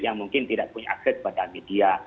yang mungkin tidak punya akses kepada media